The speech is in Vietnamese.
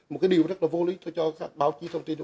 một cái điều rất là vô lý tôi cho các báo chí thông tin